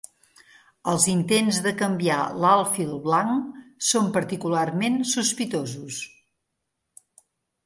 Els intents de canviar l'alfil blanc són particularment sospitosos.